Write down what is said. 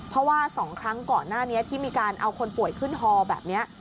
เพราะว่า๒ครั้งก่อนหน้านี้ที่มีการเอาคนป่วยขึ้นฮอแบบนี้